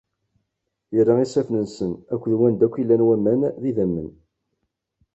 Irra isaffen-nsen akked wanda akk i llan waman, d idammen.